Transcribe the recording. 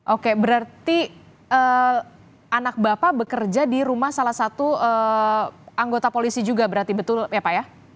oke berarti anak bapak bekerja di rumah salah satu anggota polisi juga berarti betul ya pak ya